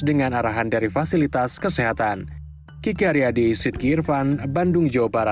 dengan arahan dari fasilitas kesehatan